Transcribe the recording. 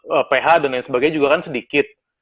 soal ph dan lain sebagainya juga kan sedikit